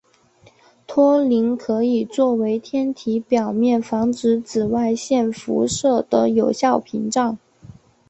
托林可以作为天体表面防止紫外线辐射的有效屏障。